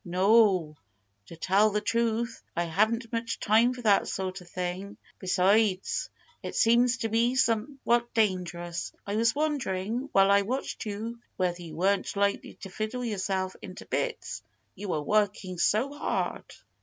"No! To tell the truth, I haven't much time for that sort of thing. Besides, it seems to me somewhat dangerous. I was wondering, while I watched you, whether you weren't likely to fiddle yourself into bits you were working so hard."